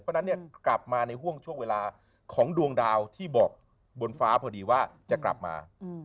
เพราะฉะนั้นเนี่ยกลับมาในห่วงช่วงเวลาของดวงดาวที่บอกบนฟ้าพอดีว่าจะกลับมา